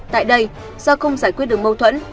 tại đây do không giải quyết được mâu thuẫn